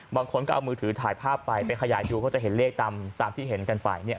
บางคนก็เอามือถือถ่ายภาพไปไปขยายดูก็จะเห็นเลขตามที่เห็นกันไปเนี่ย